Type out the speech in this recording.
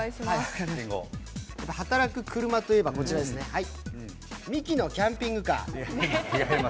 働く車といえばこちらですね、ミキのキャンピングカー。